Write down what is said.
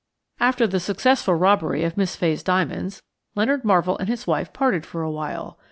After the successful robbery of Miss Fay's diamonds, Leonard Marvell and his wife parted for awhile.